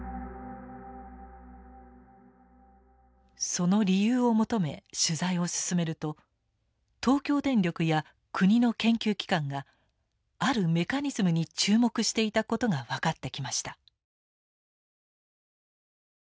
その理由を求め取材を進めると東京電力や国の研究機関があるメカニズムに注目していたことが分かってきました。